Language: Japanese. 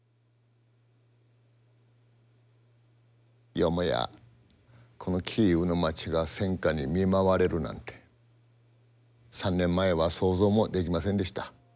よもやこのキーウの街が戦禍に見舞われるなんて３年前は想像もできませんでした。